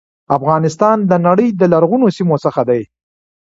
افغانستان د نړی د لرغونو سیمو څخه دی.